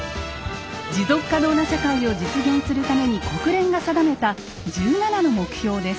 持続可能な社会を実現するために国連が定めた１７の目標です。